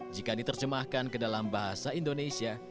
jika diterjemahkan ke dalam bahasa indonesia